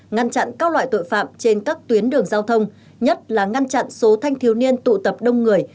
ngăn chặn các loại tội phạm trên các tuyến đường giao thông nhất là ngăn chặn số thanh thiếu niên tụ tập đông người